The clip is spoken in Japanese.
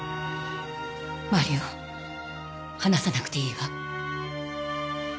マリオ話さなくていいわ。